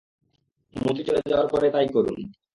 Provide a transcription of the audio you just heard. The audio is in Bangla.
মন্ত্রী চলে যাওয়ার পরে তাই করুন।